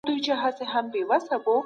که عرضه جذب نه سي تاوان به رامنځته سي.